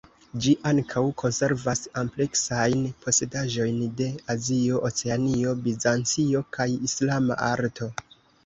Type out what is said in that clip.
Ĝi ankaŭ konservas ampleksajn posedaĵojn de Azio, Oceanio, Bizancio, kaj Islama arto.